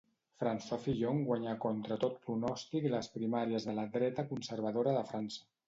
François Fillon guanyà contra tot pronòstic les primàries de la dreta conservadora de França.